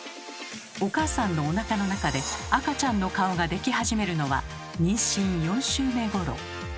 お母さんのおなかの中で赤ちゃんの顔ができ始めるのは妊娠４週目ごろ。